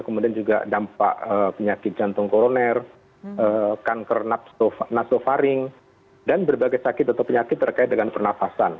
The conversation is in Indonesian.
kemudian juga dampak penyakit jantung koroner kanker nasofaring dan berbagai sakit atau penyakit terkait dengan pernafasan